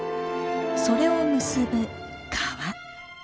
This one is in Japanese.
それを結ぶ川。